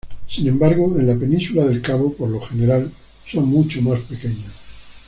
Sin embargo, en la Península del Cabo por lo general son mucho más pequeños.